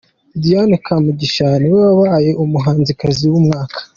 Diana Kamugisha niwe wabaye umuhanzikazi w'umwaka.